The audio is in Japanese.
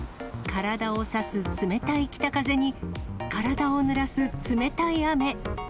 体を刺す冷たい北風に、体をぬらす冷たい雨。